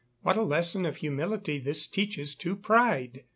What a lesson of humility this teaches to Pride!